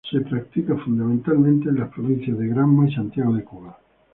Es practicado fundamentalmente en las provincias de Granma y Santiago de Cuba.